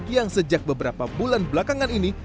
yang sejak beberapa bulan belakangan ini